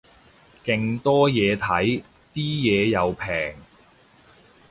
勁多嘢睇，啲嘢又平